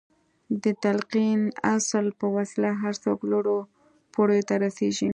د تلقين اصل په وسيله هر څوک لوړو پوړيو ته رسېږي.